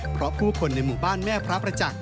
เพราะผู้คนในหมู่บ้านแม่พระประจักษ